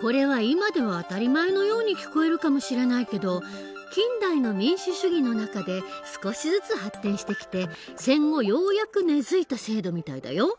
これは今では当たり前のように聞こえるかもしれないけど近代の民主主義の中で少しずつ発展してきて戦後ようやく根づいた制度みたいだよ。